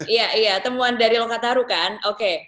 iya iya temuan dari lokataru kan oke